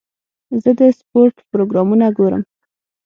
زه د سپورټ پروګرامونه ګورم.